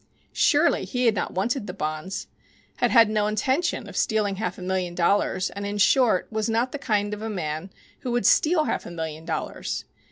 Surely he had not wanted the bonds had had no intention of stealing half a million dollars, and, in short, was not the kind of a man who would steal half a million dollars.